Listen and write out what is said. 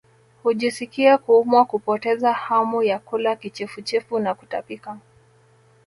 Hujisikia kuumwa kupoteza hamu ya kula kichefuchefu na kutapika